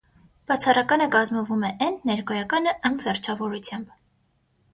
Բացառականը կազմվում է էն, ներգոյականը՝ ըմ վերջավորությամբ։